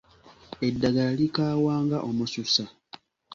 Eddagala likaawa nga omususa.